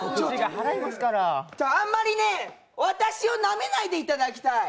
あんまりね、私をなめないでいただきたい。